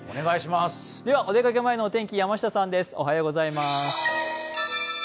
では、お出かけ前のお天気、山下さんです。